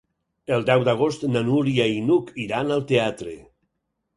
El deu d'agost na Núria i n'Hug iran al teatre.